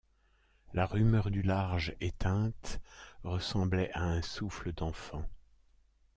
La rumeur du large, éteinte, ressemblait à un souffle d’enfant.